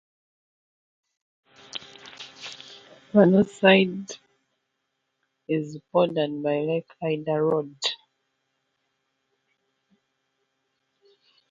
The north side is bordered by Lake Ida Road.